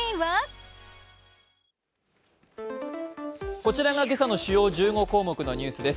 こちらが今朝の主要１５項目のニュースです。